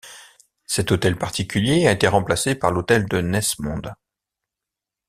Cet hôtel particulier a été remplacé par l'hôtel de Nesmond.